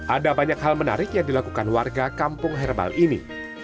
ada banyak hal menarik yang dilakukan warga kampung herbal ini